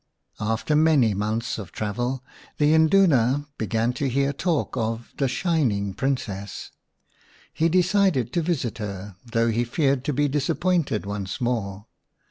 After many months f travel the Induna began to hear talk of the Shining Princess. He decided to visit her, though he feared to be disappointed once more.